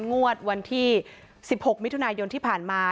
งวดวันที่๑๖มิถุนายนที่ผ่านมา